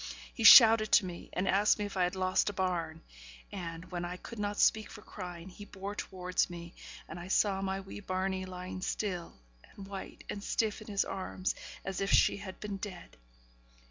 He shouted to me, and asked me if I had lost a bairn; and, when I could not speak for crying, he bore towards me, and I saw my wee bairnie, lying still, and white, and stiff in his arms, as if she had been dead.